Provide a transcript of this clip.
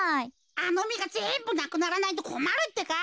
あのみがぜんぶなくならないとこまるってか。